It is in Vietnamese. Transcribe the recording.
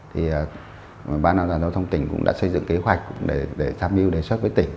thì ban đoàn giáo thông tỉnh cũng đã xây dựng kế hoạch để tham dự đề xuất với tỉnh